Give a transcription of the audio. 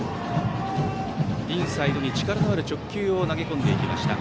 インサイドに力のある直球を投げ込んできました。